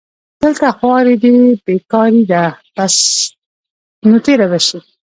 دلته خواري دې بېکاري ده بس نو تېره به شي